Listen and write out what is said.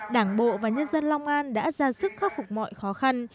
đảng bộ và nhân dân long an đã ra sức khắc phục mọi khó khăn